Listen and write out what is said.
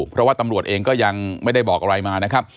เพราะว่าตำรวจเองก็ยังไม่ได้บอกอะไรมานะครับ